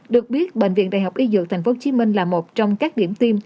được biết bệnh viện đại học y dược tp hcm là một trong các điểm tiêm